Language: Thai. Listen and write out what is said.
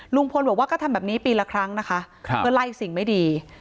ลุงพลบอกว่าก็ทำแบบนี้ปีละครั้งนะคะเพื่อไล่สิ่งไม่ดี